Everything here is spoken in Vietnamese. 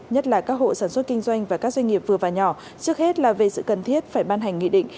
nhất là các hộ sản xuất kinh doanh và các doanh nghiệp vừa và nhỏ trước hết là về sự cần thiết phải ban hành nghị định